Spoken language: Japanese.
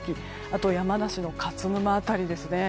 あと山梨の勝沼辺りですね。